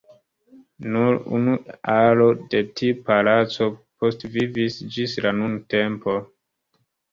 Nur unu alo de tiu palaco postvivis ĝis la nuntempo.